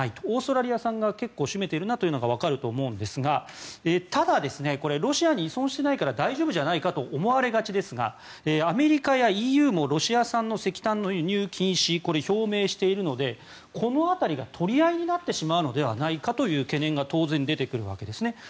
オーストラリア産が結構占めているなというのがわかると思うんですがただロシアに依存していないから大丈夫じゃないかと思われがちですがアメリカやＥＵもロシア産の石炭の輸入禁止をこれを表明しているのでこの辺りが取り合いになってしまうのではないかという懸念が当然出てくるわけです。